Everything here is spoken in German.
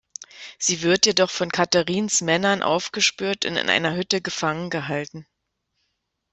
Sie wird jedoch von Katherines Männern aufgespürt und in einer Hütte gefangen gehalten.